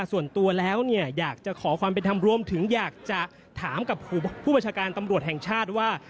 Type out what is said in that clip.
ส่วนตัวแล้วเนี่ยอยากจะขอความเป็นธรรมรวมถึงอยากจะถามกับผู้ประชาการตำรวจแห่งชาติว่า